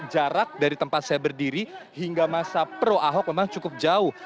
jarak dari tempat saya berdiri hingga masa pro ahok memang cukup jauh